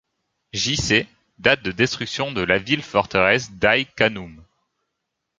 J-C, date de destruction de la ville-forteresse d'Aï Khanoum.